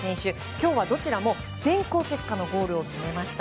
今日はどちらも電光石火のゴールを決めました。